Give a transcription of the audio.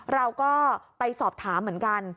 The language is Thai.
เราก็ไปสอบถามเหมือนกัน